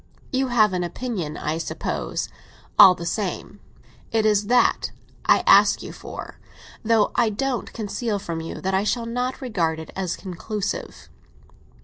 "You have an opinion, I suppose, all the same. It is that I ask you for; though I don't conceal from you that I shall not regard it as conclusive."